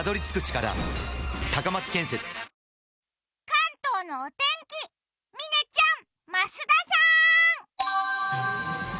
関東のお天気、嶺ちゃん、増田さん。